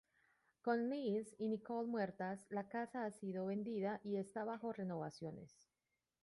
Con Liz y Nicole muertas, la casa ha sido vendida y está bajo renovaciones.